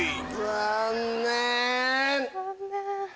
残念！